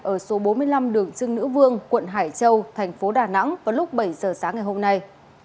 ở số bốn mươi năm đường trưng nữ vương quận hải châu thành phố đà nẵng vào lúc bảy giờ sáng ngày hôm nay